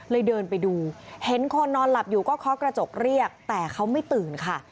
เดินไปดูเห็นคนนอนหลับอยู่ก็เคาะกระจกเรียกแต่เขาไม่ตื่นค่ะ